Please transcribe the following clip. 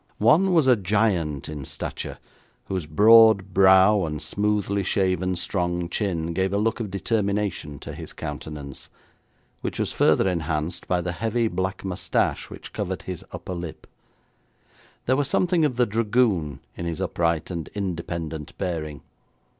One was a giant in stature, whose broad brow and smoothly shaven strong chin gave a look of determination to his countenance, which was further enhanced by the heavy black moustache which covered his upper lip. There was something of the dragoon in his upright and independent bearing.